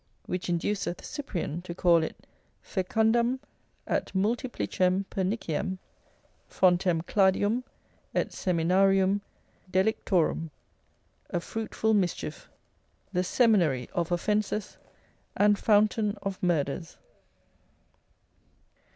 Which induceth Cyprian to call it, Foecundam et multiplicem perniciem, fontem cladium et seminarium delictorum, a fruitful mischief, the seminary of offences, and fountain of murders.